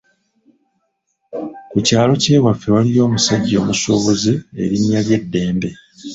Ku kyaalo ky'ewaffe waaliyo omusajja omusuubuzi erinnya lye Dembe.